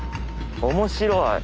面白い。